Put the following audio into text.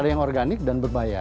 ada yang organik dan berbahaya